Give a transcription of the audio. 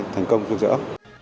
thành công phương giữa